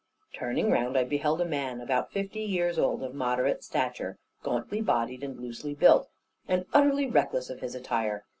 Turning round, I beheld a man about fifty years old, of moderate stature, gauntly bodied, and loosely built, and utterly reckless of his attire.